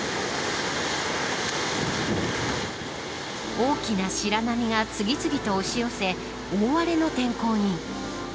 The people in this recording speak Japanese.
大きな白波が次々と押し寄せ大荒れの天候に。